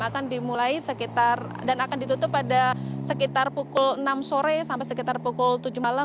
akan dimulai sekitar dan akan ditutup pada sekitar pukul enam sore sampai sekitar pukul tujuh malam